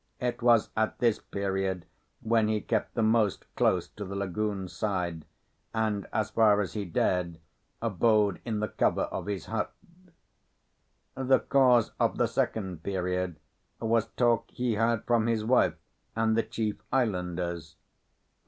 It was at this period when he kept the most close to the lagoon side, and as far as he dared, abode in the cover of his hut. The cause of the second period was talk he heard from his wife and the chief islanders.